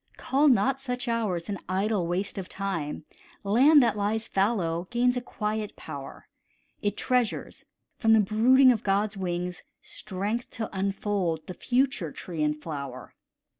Call not such hours an idle waste of time, Land that lies fallow gains a quiet power; It treasures, from the brooding of God's wings, Strength to unfold the future tree and flower.